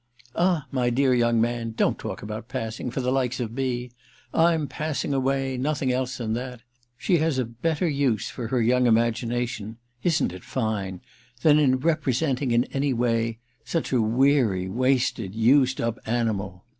"Ah, my dear young man, don't talk about passing—for the likes of me! I'm passing away—nothing else than that. She has a better use for her young imagination (isn't it fine?) than in 'representing' in any way such a weary wasted used up animal!"